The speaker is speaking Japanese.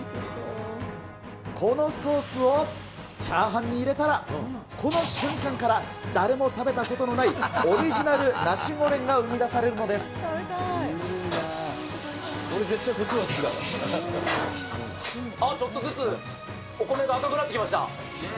このソースをチャーハンに入れたら、この瞬間から誰も食べたことのないオリジナルナシゴレンが生み出あっ、ちょっとずつ、お米が赤くなってきました。